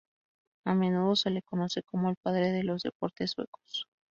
A menudo se le conoce como el "padre de los deportes suecos".